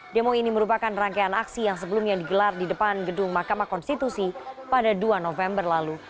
demo ini merupakan rangkaian aksi yang sebelumnya digelar di depan gedung mahkamah konstitusi pada dua november lalu